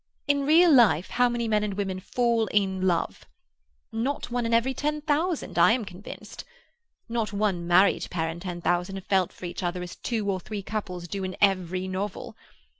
In real life, how many men and women fall in love? Not one in every ten thousand, I am convinced. Not one married pair in ten thousand have felt for each other as two or three couples do in every novel.